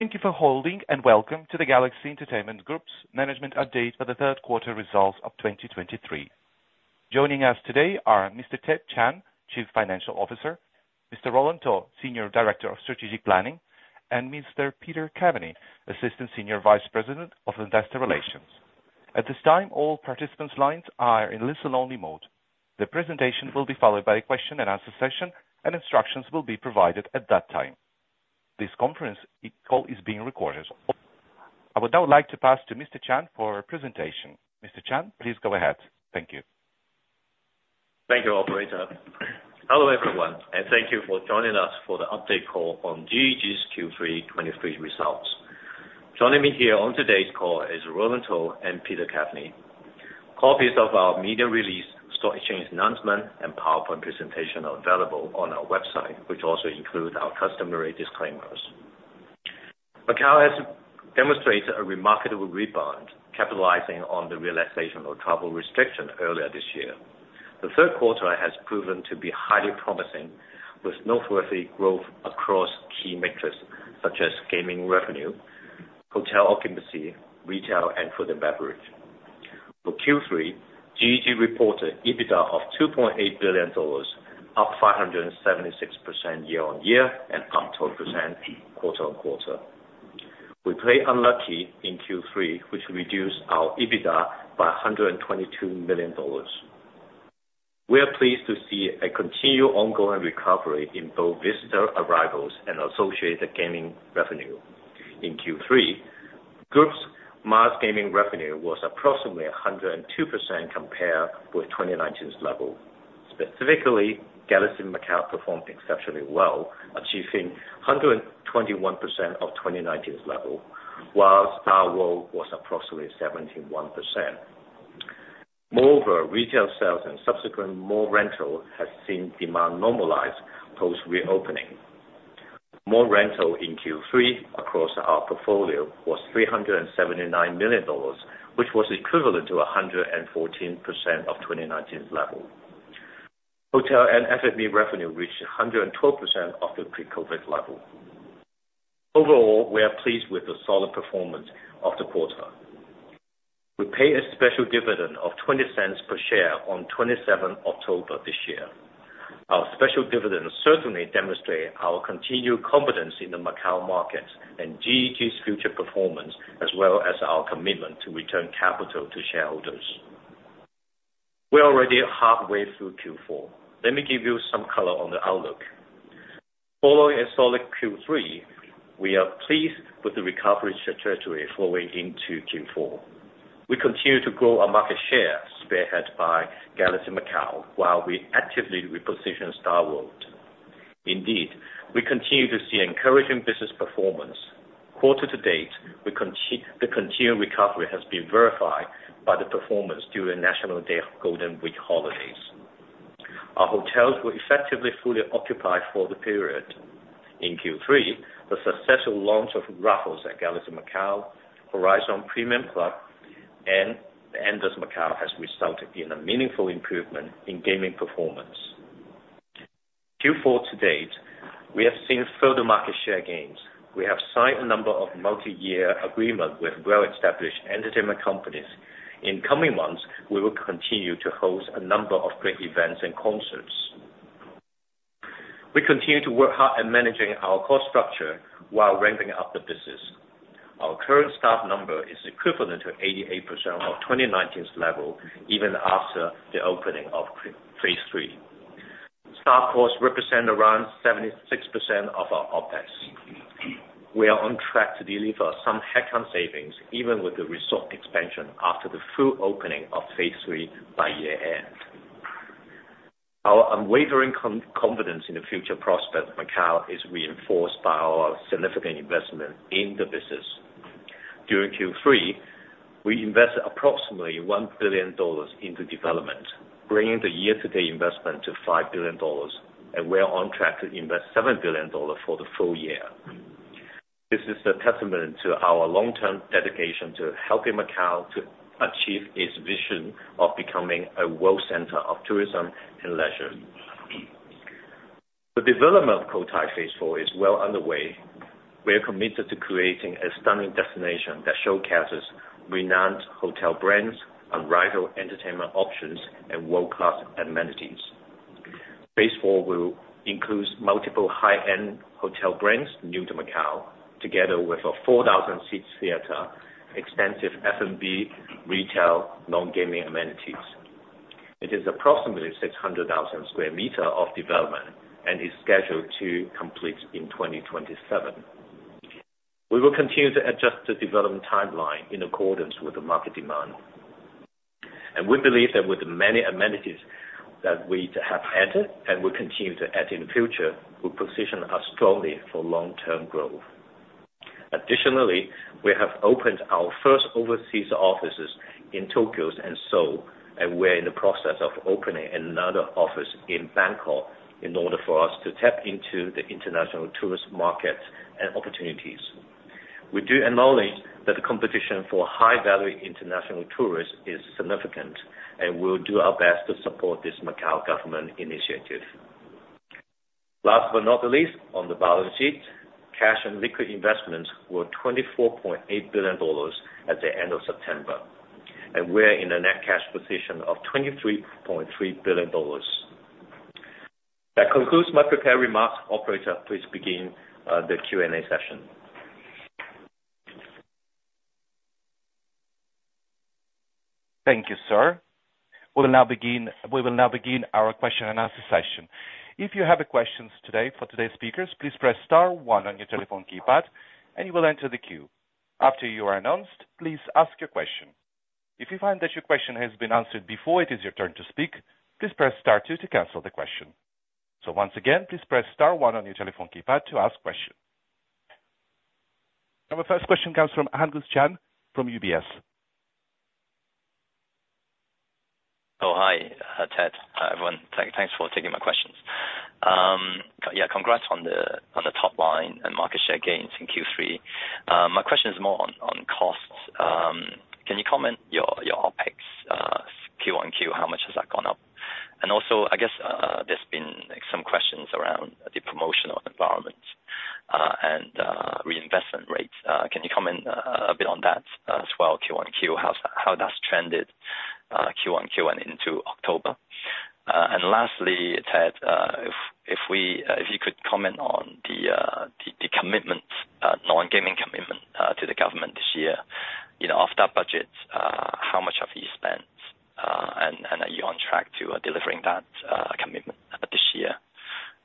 Thank you for holding, and welcome to the Galaxy Entertainment Group's management update for the third quarter results of 2023. Joining us today are Mr. Ted Chan, Chief Financial Officer, Mr. Roland To, Senior Director of Strategic Planning, and Mr. Peter Caveny, Assistant Senior Vice President of Investor Relations. At this time, all participants' lines are in listen-only mode. The presentation will be followed by a question and answer session, and instructions will be provided at that time. This conference call is being recorded. I would now like to pass to Mr. Chan for a presentation. Mr. Chan, please go ahead. Thank you. Thank you, operator. Hello, everyone, and thank you for joining us for the update call on GEG's Q3 2023 results. Joining me here on today's call is Roland To and Peter Caveny. Copies of our media release, stock exchange announcement, and PowerPoint presentation are available on our website, which also include our customary disclaimers. Macau has demonstrated a remarkable rebound, capitalizing on the relaxation of travel restriction earlier this year. The third quarter has proven to be highly promising, with noteworthy growth across key metrics, such as gaming revenue, hotel occupancy, retail, and food and beverage. For Q3, GEG reported EBITDA of 2.8 billion dollars, up 576% year-on-year, and up 12% quarter-on-quarter. We play unlucky in Q3, which reduced our EBITDA by 122 million dollars. We are pleased to see a continued ongoing recovery in both visitor arrivals and associated gaming revenue. In Q3, group's mass gaming revenue was approximately 102% compared with 2019's level. Specifically, Galaxy Macau performed exceptionally well, achieving 121% of 2019's level, while StarWorld was approximately 71%. Moreover, retail sales and subsequent mall rental has seen demand normalize post-reopening. Mall rental in Q3 across our portfolio was 379 million dollars, which was equivalent to 114% of 2019's level. Hotel and F&B revenue reached 112% of the pre-COVID level. Overall, we are pleased with the solid performance of the quarter. We pay a special dividend of 0.20 per share on 27th October this year. Our special dividend certainly demonstrate our continued confidence in the Macau market and GEG's future performance, as well as our commitment to return capital to shareholders. We are already halfway through Q4. Let me give you some color on the outlook. Following a solid Q3, we are pleased with the recovery trajectory flowing into Q4. We continue to grow our market share, spearheaded by Galaxy Macau, while we actively reposition StarWorld. Indeed, we continue to see encouraging business performance. Quarter to date, the continued recovery has been verified by the performance during National Day Golden Week holidays. Our hotels were effectively fully occupied for the period. In Q3, the successful launch of Raffles at Galaxy Macau, Horizon Premium Club, and the Andaz Macau has resulted in a meaningful improvement in gaming performance. Q4 to date, we have seen further market share gains. We have signed a number of multi-year agreements with well-established entertainment companies. In coming months, we will continue to host a number of great events and concerts. We continue to work hard at managing our cost structure while ramping up the business. Our current staff number is equivalent to 88% of 2019's level, even after the opening of Phase 3. Staff costs represent around 76% of our OpEx. We are on track to deliver some headcount savings, even with the resort expansion after the full opening of Phase 3 by year-end. Our unwavering confidence in the future prospect of Macau is reinforced by our significant investment in the business. During Q3, we invested approximately $1 billion into development, bringing the year-to-date investment to $5 billion, and we are on track to invest $7 billion for the full year. This is a testament to our long-term dedication to helping Macau achieve its vision of becoming a world center of tourism and leisure. The development of Cotai Phase 4 is well underway. We are committed to creating a stunning destination that showcases renowned hotel brands, unrivaled entertainment options, and world-class amenities. Phase 4 will include multiple high-end hotel brands new to Macau, together with a 4,000-seat theater, extensive F&B, retail, non-gaming amenities. It is approximately 600,000 square meters of development and is scheduled to complete in 2027. We will continue to adjust the development timeline in accordance with the market demand. We believe that with the many amenities that we have added, and will continue to add in the future, will position us strongly for long-term growth. Additionally, we have opened our first overseas offices in Tokyo and Seoul, and we're in the process of opening another office in Bangkok in order for us to tap into the international tourist markets and opportunities. We do acknowledge that the competition for high-value international tourists is significant, and we'll do our best to support this Macau government initiative. Last but not the least, on the balance sheet, cash and liquid investments were $24.8 billion at the end of September, and we're in a net cash position of $23.3 billion. That concludes my prepared remarks. Operator, please begin the Q&A session. Thank you, sir. We'll now begin our question and answer session. If you have a question today for today's speakers, please press star one on your telephone keypad, and you will enter the queue. After you are announced, please ask your question. If you find that your question has been answered before it is your turn to speak, please press star two to cancel the question. So once again, please press star one on your telephone keypad to ask a question. Our first question comes from Angus Chan from UBS. Oh, hi, Ted. Hi, everyone. Thanks for taking my questions. Yeah, congrats on the top line and market share gains in Q3. My question is more on costs. Can you comment on your OpEx Q-on-Q, how much has that gone up? And also, I guess, there's been some questions around the promotional environment and reinvestment rates. Can you comment a bit on that, as well, Q-on-Q, how that's trended Q-on-Q and into October? And lastly, Ted, if you could comment on the non-gaming commitment to the government this year. You know, off that budget, how much have you spent? And are you on track to delivering that commitment this year?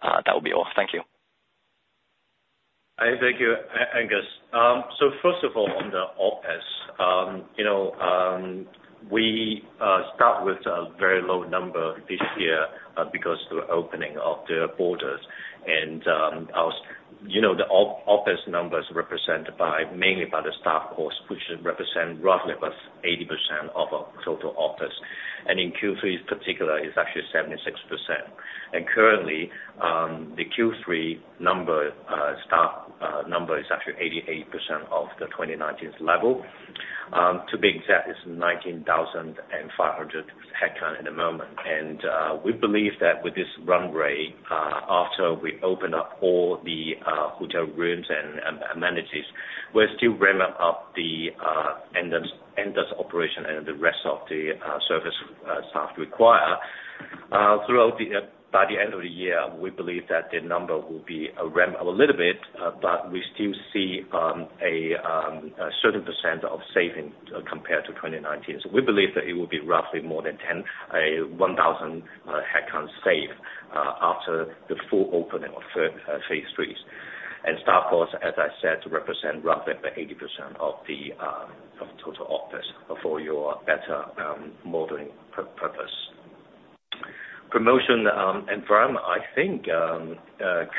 That would be all. Thank you. Thank you, Angus. So first of all, on the OpEx, you know, we start with a very low number this year, because the opening of the borders. And as you know, the OpEx numbers represented by, mainly by the staff force, which represent roughly about 80% of our total OpEx. And in Q3 in particular, it's actually 76%. And currently, the Q3 number, staff number is actually 88% of the 2019's level. To be exact, it's 19,500 headcount at the moment. And we believe that with this runway, after we open up all the hotel rooms and amenities, we're still ramp up the end user operation and the rest of the service staff require. By the end of the year, we believe that the number will be ramp up a little bit, but we still see a certain percent of saving compared to 2019. So we believe that it will be roughly more than 10,000 head count save after the full opening of Phase 3. And staff force, as I said, represent roughly 80% of the total OpEx for your better modeling purpose. Promotion environment, I think,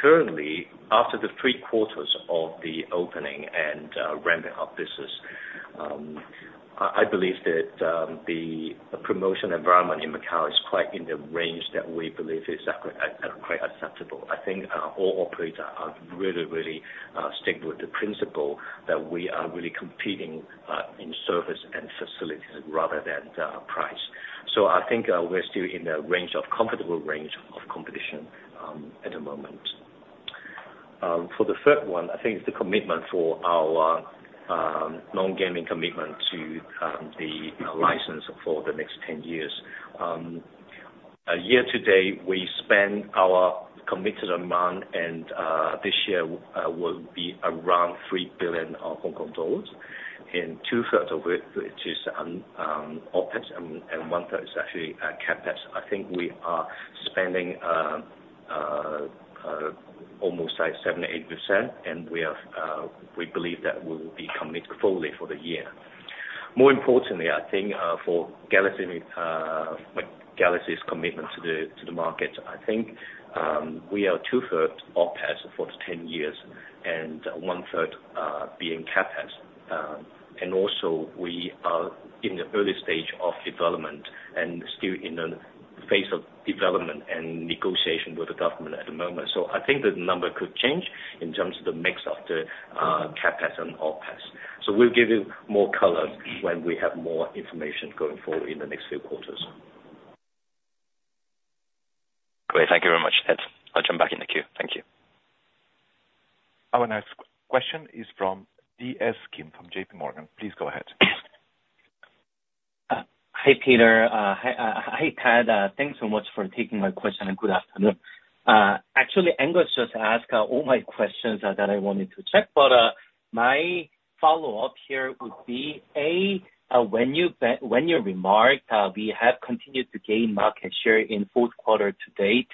currently, after the three quarters of the opening and ramping up business, I believe that the promotion environment in Macau is quite in the range that we believe is quite acceptable. I think, all operators are really, really, stick with the principle that we are really competing, in service and facilities rather than, price. So I think, we're still in a range of, comfortable range of competition, at the moment. For the third one, I think it's the commitment for our, non-gaming commitment to, the license for the next 10 years. A year today, we spent our committed amount, and, this year, will be around 3 billion Hong Kong dollars, and 2/3 of it, which is, OpEx, and, 1/3 is actually, CapEx. I think we are spending, almost like 78%, and we are, we believe that we will be committed fully for the year. More importantly, I think, for Galaxy, Galaxy's commitment to the market, I think, we are 2/3 OpEx for the 10 years, and 1/3 being CapEx. Also, we are in the early stage of development and still in the phase of development and negotiation with the government at the moment. So I think the number could change in terms of the mix of the CapEx and OpEx. So we'll give you more color when we have more information going forward in the next few quarters. Great. Thank you very much, Ted. I'll jump back in the queue. Thank you. Our next question is from DS Kim, from JPMorgan. Please go ahead. Hi, Peter. Hi, Ted. Thanks so much for taking my question, and good afternoon. Actually, Angus just asked all my questions that I wanted to check. But my follow-up here would be, A, when you remarked, "We have continued to gain market share in fourth quarter to date,"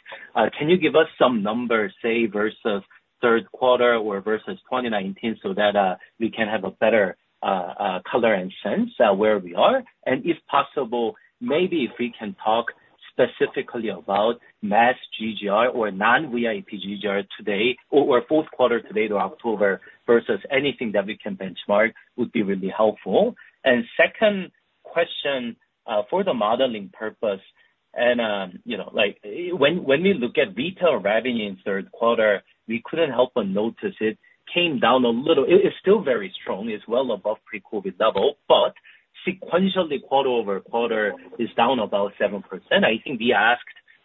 can you give us some numbers, say, versus third quarter or versus 2019, so that we can have a better color and sense of where we are? And if possible, maybe if we can talk specifically about mass GGR or non-VIP GGR today, or fourth quarter today to October versus anything that we can benchmark, would be really helpful. Second question, for the modeling purpose, and, you know, like, when we look at retail revenue in third quarter, we couldn't help but notice it came down a little. It is still very strong, it's well above pre-COVID level, but sequentially, quarter-over-quarter is down about 7%. I think we asked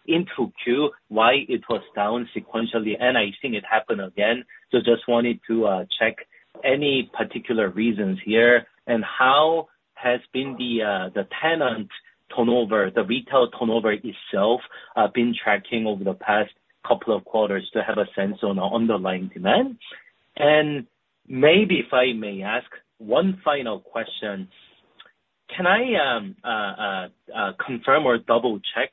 in Q2 why it was down sequentially, and I think it happened again. So just wanted to check any particular reasons here and how has been the, the tenant turnover, the retail turnover itself, been tracking over the past couple of quarters to have a sense on our underlying demand? And maybe if I may ask one final question, can I confirm or double check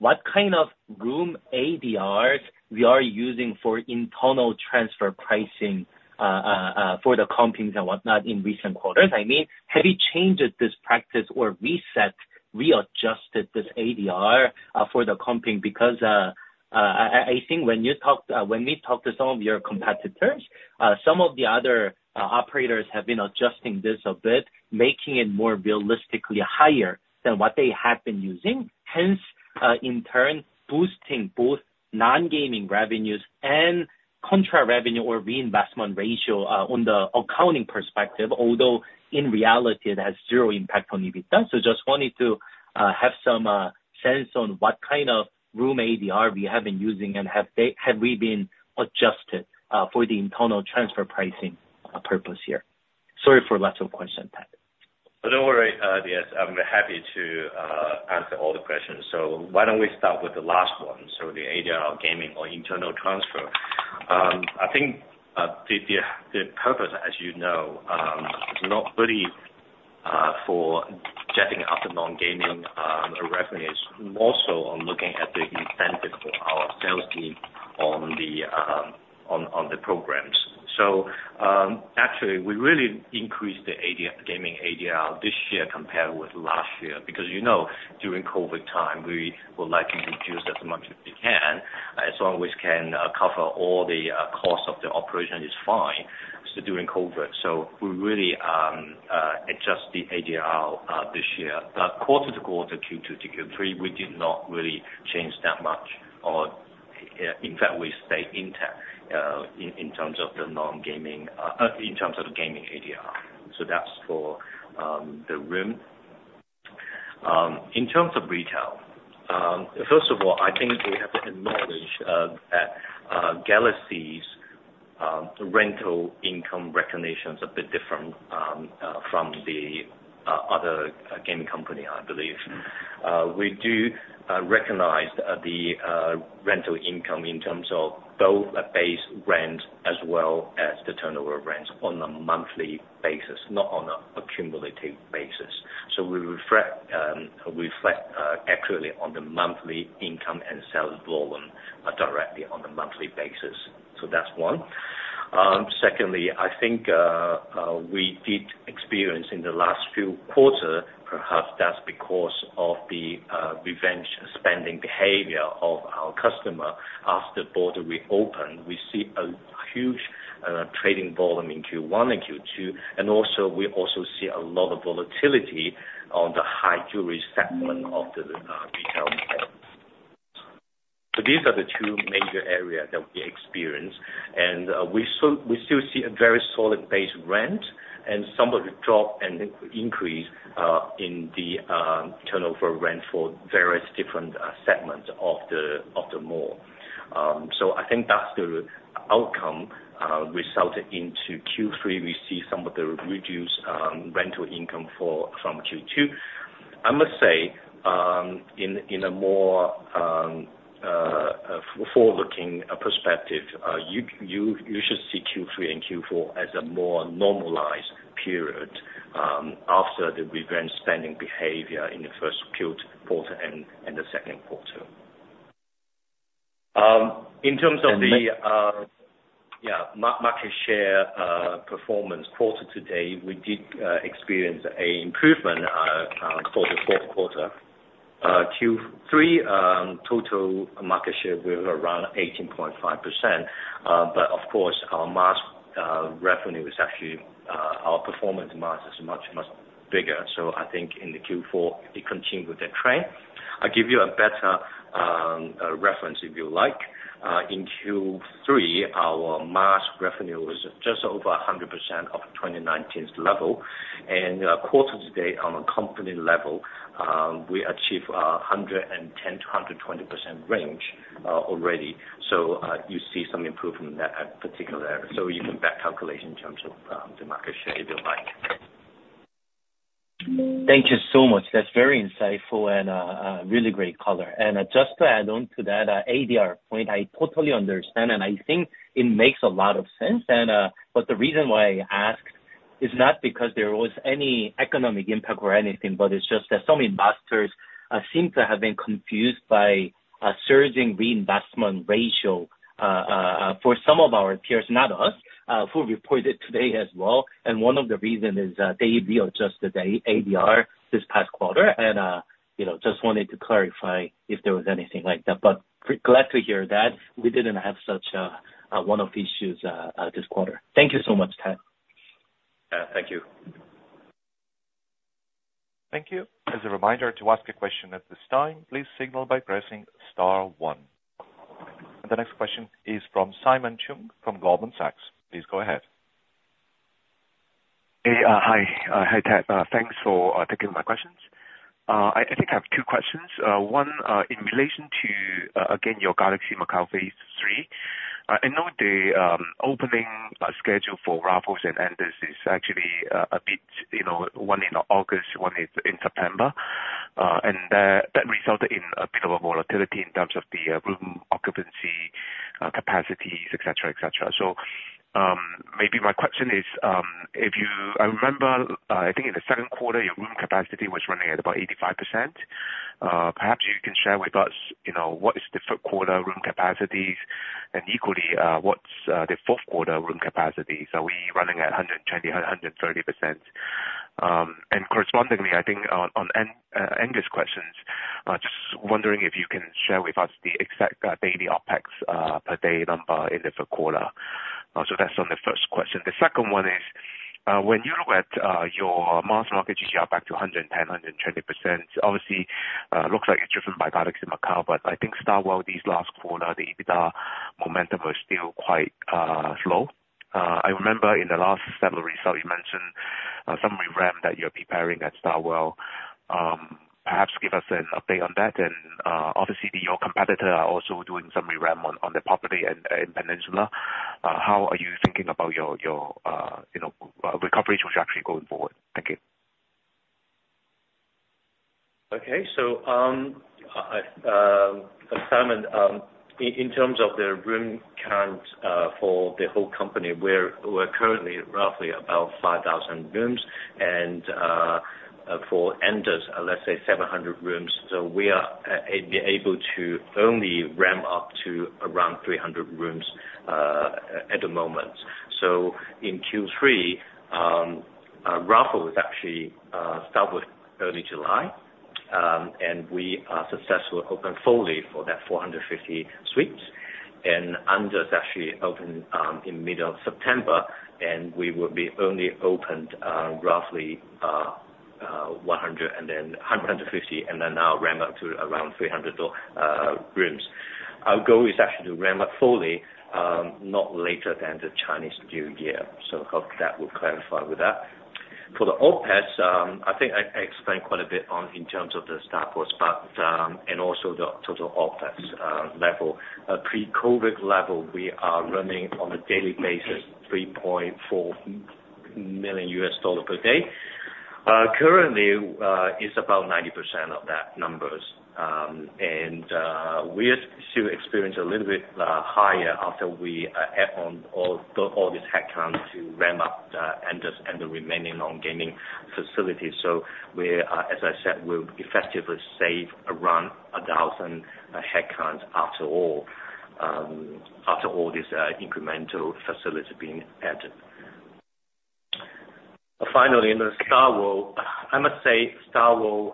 what kind of room ADRs we are using for internal transfer pricing for the compings and whatnot in recent quarters? I mean, have you changed this practice or reset, readjusted this ADR for the comping? Because I think when you talked, when we talked to some of your competitors, some of the other operators have been adjusting this a bit, making it more realistically higher than what they have been using, hence in turn, boosting both non-gaming revenues and contra revenue or reinvestment ratio on the accounting perspective, although in reality it has zero impact on EBITDA. Just wanted to have some sense on what kind of room ADR we have been using, and have we been adjusted for the internal transfer pricing purpose here? Sorry for lots of questions, Ted. Oh, don't worry, yes, I'm happy to answer all the questions. So why don't we start with the last one? So the ADR gaming or internal transfer. I think the purpose, as you know, is not really for getting up the non-gaming revenues. More so on looking at the incentive for our sales team on the programs. So, actually, we really increased the ADR gaming ADR this year compared with last year, because, you know, during COVID time, we would like to reduce as much as we can, as long as we can cover all the costs of the operation is fine, so during COVID. So we really adjust the ADR this year. Quarter to quarter, Q2 to Q3, we did not really change that much, or in fact, we stayed intact in terms of the non-gaming in terms of gaming ADR. So that's for the room. In terms of retail, first of all, I think we have to acknowledge that Galaxy's rental income recognition is a bit different from the other gaming company, I believe. We do recognize the rental income in terms of both a base rent as well as the turnover of rents on a monthly basis, not on a cumulative basis. So we reflect accurately on the monthly income and sales volume directly on a monthly basis. So that's one. Secondly, I think we did experience in the last few quarters, perhaps that's because of the revenge spending behavior of our customer after border reopened. We see a huge trading volume in Q1 and Q2, and also, we also see a lot of volatility on the high jewelry segment of the retail sales. So these are the two major areas that we experience, and we still see a very solid base rent and some of the drop and increase in the turnover rent for various different segments of the mall. So I think that's the outcome resulted into Q3. We see some of the reduced rental income from Q2. I must say, in a more forward-looking perspective, you should see Q3 and Q4 as a more normalized period after the revenge spending behavior in the first quarter and the second quarter. In terms of the market share performance quarter to date, we did experience an improvement for the fourth quarter. Q3 total market share was around 18.5%. But of course, our mass revenue is actually our performance mass is much, much bigger. So I think in the Q4, it continued with the trend. I'll give you a better reference, if you like. In Q3, our mass revenue was just over 100% of 2019's level. And, quarter to date, on a company level, we achieved 110%-120% range, already. So, you see some improvement in that particular area. So you can back calculation in terms of the market share, if you like. Thank you so much. That's very insightful and, a really great color. And just to add on to that, ADR point, I totally understand, and I think it makes a lot of sense. And, but the reason why I asked is not because there was any economic impact or anything, but it's just that some investors, seem to have been confused by a surging reinvestment ratio, for some of our peers, not us, who reported today as well. And one of the reason is, they readjusted the ADR this past quarter, and, you know, just wanted to clarify if there was anything like that. But glad to hear that we didn't have such, one of issues, this quarter. Thank you so much, Ted. Thank you. Thank you. As a reminder, to ask a question at this time, please signal by pressing star one. The next question is from Simon Cheung from Goldman Sachs. Please go ahead. Hey, hi. Hi, Ted. Thanks for taking my questions. I think I have two questions. One, in relation to, again, your Galaxy Macau Phase 3, I know the opening schedule for Raffles and Andaz is actually a bit, you know, one in August, one is in September. And that resulted in a bit of a volatility in terms of the room occupancy capacities, et cetera, et cetera. So, maybe my question is, if you... I remember, I think in the second quarter, your room capacity was running at about 85%. Perhaps you can share with us, you know, what is the third quarter room capacities, and equally, what's the fourth quarter room capacity? So we running at 120%-130%. And correspondingly, I think on Andaz questions, just wondering if you can share with us the exact daily OpEx per day number in the third quarter. So that's on the first question. The second one is, when you look at your mass market GGR back to 110%-120%, obviously looks like it's driven by Galaxy Macau, but I think StarWorld, this last quarter, the EBITDA momentum was still quite slow. I remember in the last set of results, you mentioned some ramp that you're preparing at StarWorld. Perhaps give us an update on that. And obviously, your competitor are also doing some ramp on the property in Peninsula. How are you thinking about your you know recovery trajectory going forward? Thank you. Okay. So, Simon, in terms of the room count for the whole company, we're currently roughly about 5,000 rooms, and for Andaz, let's say 700 rooms. So we are able to only ramp up to around 300 rooms at the moment. So in Q3, Raffles was actually started early July. And we are successfully open fully for that 450 suites. And Andaz actually opened in middle of September, and we will be only opened roughly 100 and then 150, and then now ramp up to around 300 rooms. Our goal is actually to ramp up fully not later than the Chinese New Year. So hope that will clarify with that. For the OpEx, I think I explained quite a bit on in terms of the StarWorld, but, and also the total OpEx level. Pre-COVID level, we are running on a daily basis, $3.4 million per day. Currently, it's about 90% of that numbers. And, we should experience a little bit higher after we add on all these headcount to ramp up the Andaz and the remaining non-gaming facilities. So we're, as I said, we'll effectively save around 1,000 headcounts after all these incremental facilities being added. Finally, in the StarWorld, I must say, StarWorld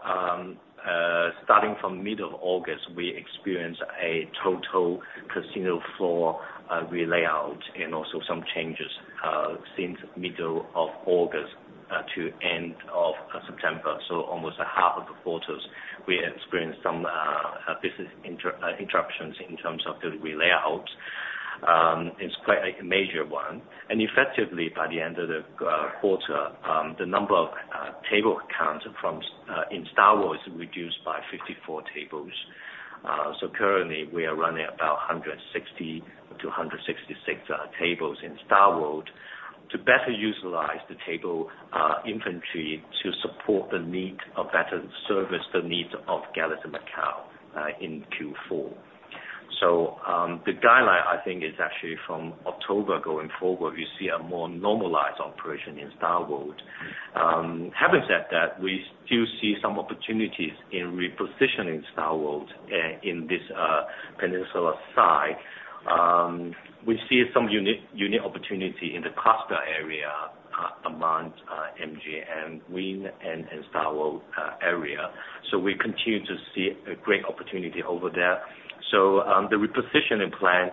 starting from middle of August, we experienced a total casino floor re-layout and also some changes since middle of August to end of September. So almost a half of the quarters, we experienced some business interruptions in terms of the re-layout. It's quite a major one, and effectively, by the end of the quarter, the number of table counts from in StarWorld is reduced by 54 tables. So currently, we are running about 160 to 166 tables in StarWorld to better utilize the table inventory, to support the need of better service, the needs of Galaxy Macau in Q4. So the guideline, I think, is actually from October going forward, we see a more normalized operation in StarWorld. Having said that, we still see some opportunities in repositioning StarWorld in this peninsula side. We see some unique, unique opportunity in the Cotai area, among MGM, Wynn and, and StarWorld area. So we continue to see a great opportunity over there. So, the repositioning plan,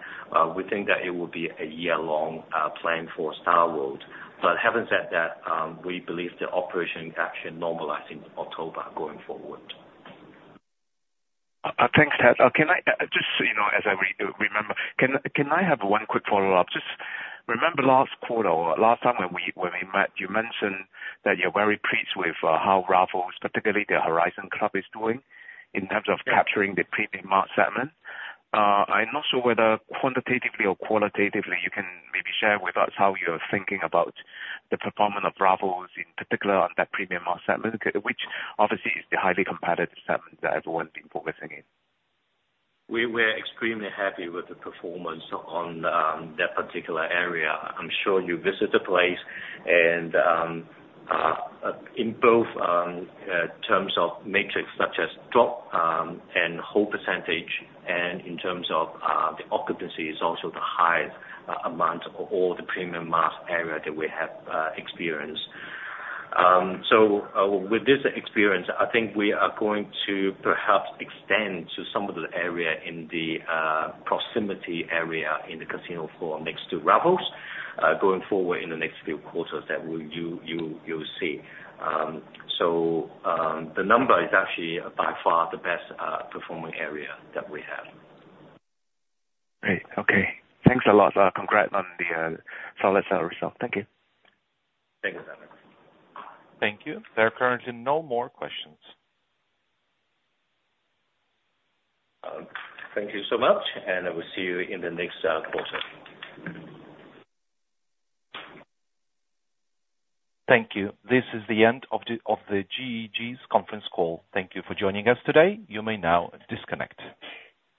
we think that it will be a year-long plan for StarWorld. But having said that, we believe the operation is actually normalizing October going forward. Thanks, Ted. Can I just so you know, as I remember, can I have one quick follow-up? Just remember last quarter or last time when we met, you mentioned that you're very pleased with how Raffles, particularly the Horizon Club, is doing in terms of capturing- Yeah. the premium mass segment. I'm not sure whether quantitatively or qualitatively, you can maybe share with us how you're thinking about the performance of Raffles, in particular on that premium mass segment, which obviously is the highly competitive segment that everyone's been focusing in. We were extremely happy with the performance on that particular area. I'm sure you visit the place and in both terms of metrics such as drop and hold percentage, and in terms of the occupancy is also the highest amount of all the premium mass area that we have experienced. So with this experience, I think we are going to perhaps extend to some of the area in the proximity area in the casino floor next to Raffles going forward in the next few quarters that we'll... You'll see. So the number is actually by far the best performing area that we have. Great. Okay. Thanks a lot. Congrats on the solid sales result. Thank you. Thank you, Simon. Thank you. There are currently no more questions. Thank you so much, and I will see you in the next quarter. Thank you. This is the end of the GEG's conference call. Thank you for joining us today. You may now disconnect.